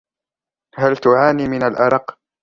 هل تعاني من الأرَق؟